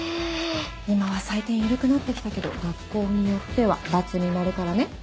今は採点緩くなって来たけど学校によってはバツになるからね。